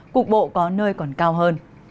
cục bộ có nơi còn cao hơn